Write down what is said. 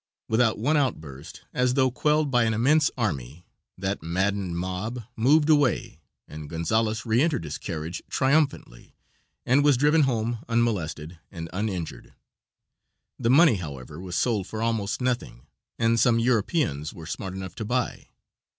Without one outburst, as though quelled by an immense army, that maddened mob moved away and Gonzales re entered his carriage triumphantly, and was driven home unmolested and uninjured. The money, however, was sold for almost nothing, and some Europeans were smart enough to buy.